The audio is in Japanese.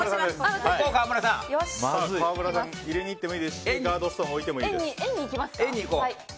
入れに行ってもいいですしガードストーンを置いてもいいです。